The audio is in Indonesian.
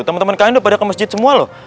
teman teman kalian udah pada ke masjid semua loh